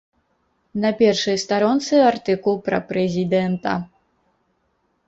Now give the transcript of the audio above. На першай старонцы артыкул пра прэзідэнта.